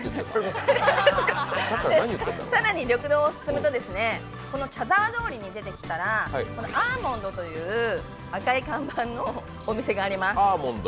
更に緑道を進むと茶沢通りに出てきたらアーモンドという赤い看板のお店があります。